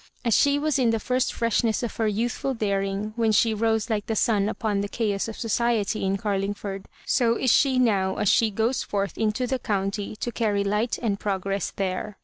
As she was in the first freshness of her youthful daring, when she rose like the sun upon the chaos of society in Garlingford, so is she now as she goes forth into the Gounty to carry light and progress there.